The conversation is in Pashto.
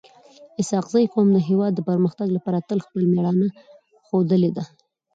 اسحق زي قوم د هیواد د پرمختګ لپاره تل خپل میړانه ښودلي ده.